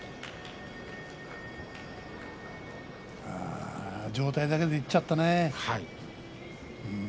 ああ、上体だけでいっちゃったね。